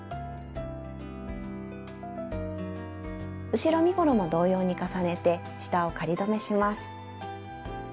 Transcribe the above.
後ろ身ごろも同様に重ねて下を仮留めします。